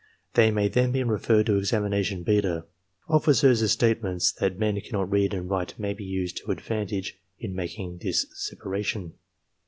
They may then be referred to examination beta. Officers' statements that men cannot read and write may be used to advantage in making this separation.